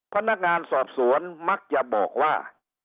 พนักงานสอบสวนมักจะบอกว่า